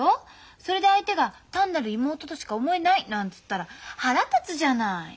それで相手が単なる妹としか思えないなんつったら腹立つじゃない。